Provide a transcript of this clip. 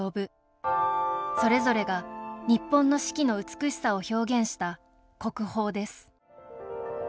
それぞれが日本の四季の美しさを表現した国宝です